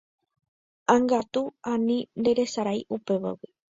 Ág̃akatu ani nderesarái upévagui